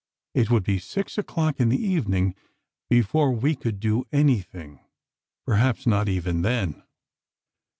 It would be six o'clock in the evening before we could do anything. Perhaps not even then."